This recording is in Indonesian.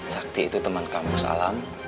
sakti itu teman kampus alam